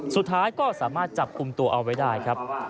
สุดท้ายก็สามารถจับกลุ่มตัวเอาไว้ได้ครับ